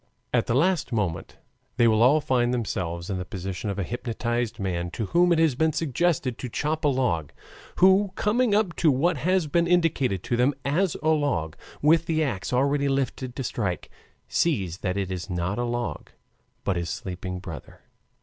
At the last moment they will all find themselves in the position of a hypnotized man to whom it has been suggested to chop a log, who coming up to what has been indicated to him as a log, with the ax already lifted to strike, sees that it is not a log but his sleeping brother.